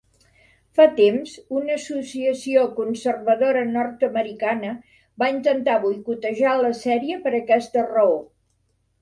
Fa temps, una associació conservadora nord-americana va intentar boicotejar la sèrie per aquesta raó.